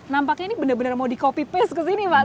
nampaknya ini benar benar mau di copy paste kesini pak